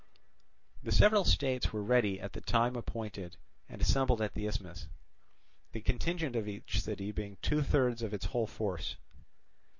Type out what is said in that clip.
The several states were ready at the time appointed and assembled at the Isthmus: the contingent of each city being two thirds of its whole force.